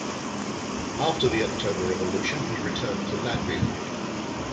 After the October Revolution, he returned to Latvia.